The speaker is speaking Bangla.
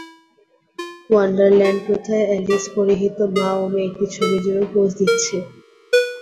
ওয়ান্ডারল্যান্ড প্রথায় অ্যালিস পরিহিত মা ও মেয়ে একটি ছবির জন্য পোজ দিচ্ছে।